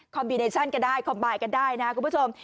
คอมบิเนชั่นกันได้คอมบายกันได้นะครับคุณผู้ชม